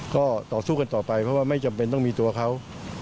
ก็ต่อสู้กันต่อไปเพราะว่าไม่จำเป็นต้องมีตัวเขา